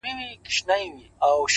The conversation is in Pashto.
• عزراییل به یې پر کور باندي مېلمه سي,